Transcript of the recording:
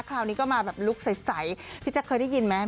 คราวนี้ก็มาแบบลุคใสพี่แจ๊คเคยได้ยินไหม